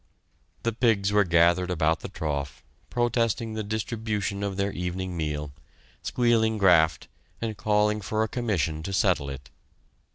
The pigs were gathered about the trough, protesting the distribution of their evening meal, squealing "Graft" and calling for a commission to settle it.